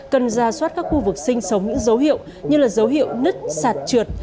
cần ra soát các khu vực sinh sống những dấu hiệu như là dấu hiệu nứt sạt trượt